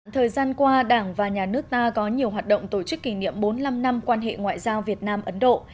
thời gian qua đảng và nhà nước ta có nhiều hoạt động tổ chức kỷ niệm bốn mươi năm năm quan hệ ngoại giao việt nam ấn độ